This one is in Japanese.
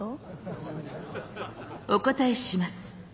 お答えします。